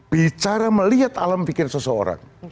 bicara melihat alam pikir seseorang